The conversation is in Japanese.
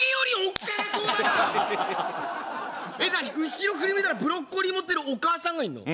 後ろ振り向いたらブロッコリー持ってるお母さんがいるの？